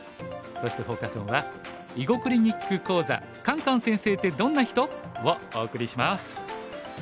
そしてフォーカス・オンは「囲碁クリニック講座カンカン先生ってどんな人？」をお送りします。